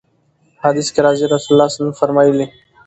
په حديث کي راځي: رسول الله صلی الله عليه وسلم فرمايلي: